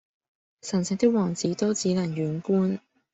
神聖的王子都只能遠觀！